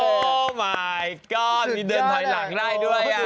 โอ้โหหมายก็มีเดินถอยหลังได้ด้วย